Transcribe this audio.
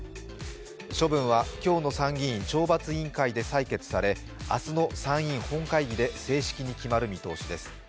処分は今日の参議院懲罰委員会で採決され明日の参院本会議で正式に決まる見通しです。